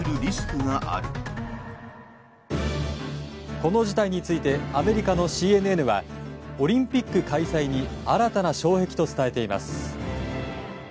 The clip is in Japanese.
この事態についてアメリカのＣＮＮはオリンピック開催に新たな障壁と伝えています。